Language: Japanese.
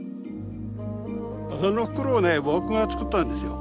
そのフクロウね僕が作ったんですよ。